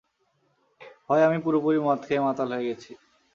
হয় আমি পুরোপুরি মদ খেয়ে মাতাল হয়ে গেছি!